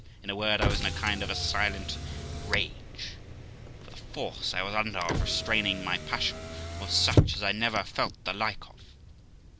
In a word, I was in a kind of a silent rage, for the force I was under of restraining my passion was such as I never felt the like of.